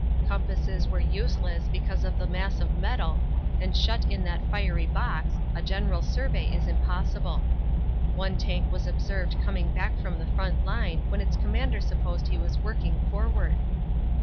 Compasses were useless because of the mass of metal and shut in that fiery box a general sur vey is impossible. One tank was observed coming back from the front line when its commander supposed he was working forward.